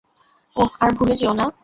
ওহ আর ভুলে যেও না!